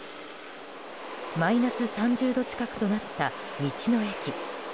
マイナス３０度近くとなった道の駅。